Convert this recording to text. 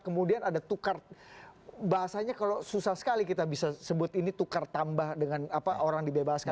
kemudian ada tukar bahasanya kalau susah sekali kita bisa sebut ini tukar tambah dengan orang dibebaskan